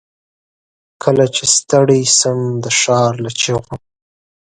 کله چې ستړی شم، دښارله چیغو